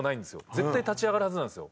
絶対立ち上がるはずなんですよ。